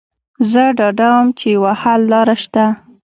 زه ډاډه وم چې يوه حللاره شته.